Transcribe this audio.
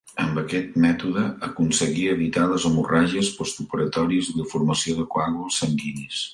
Amb aquest mètode aconseguia evitar les hemorràgies postoperatòries i la formació de coàguls sanguinis.